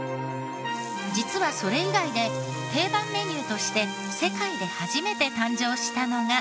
実はそれ以外で定番メニューとして世界で初めて誕生したのが。